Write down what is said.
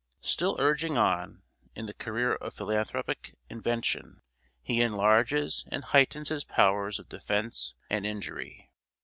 Still urging on, in the career of philanthropic invention, he enlarges and heightens his powers of defense and injury.